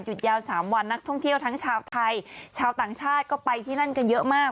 ยาว๓วันนักท่องเที่ยวทั้งชาวไทยชาวต่างชาติก็ไปที่นั่นกันเยอะมาก